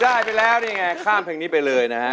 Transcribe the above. ได้ไปแล้วนี่ไงข้ามเพลงนี้ไปเลยนะฮะ